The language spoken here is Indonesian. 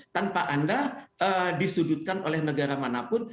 tanpa anda disudutkan oleh negara manapun